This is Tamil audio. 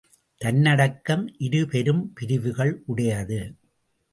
தன்னடக்கம் இரு பெரும் பிரிவுகள் உடையது.